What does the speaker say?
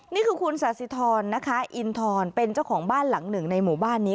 นี่คือคุณสาธิธรนะคะอินทรเป็นเจ้าของบ้านหลังหนึ่งในหมู่บ้านนี้